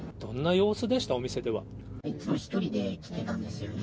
そうですね、いつも１人で来てたんですよね。